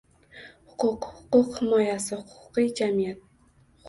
«Huquq», «huquq himoyasi», «huquqiy jamiyat» –